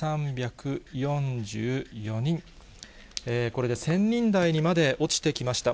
これで１０００人台にまで落ちてきました。